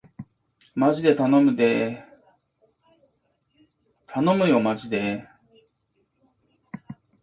たのむよーまじでー